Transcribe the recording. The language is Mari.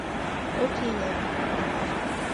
Ок лий эрык...»